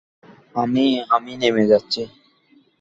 আমি, আমি নেমে যাচ্ছি।